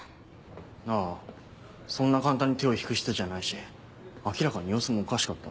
ああそんな簡単に手を引く人じゃないし明らかに様子もおかしかった。